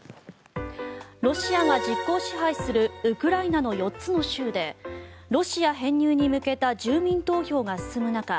ロシアが実効支配するウクライナの４つの州でロシア編入に向けた住民投票が進む中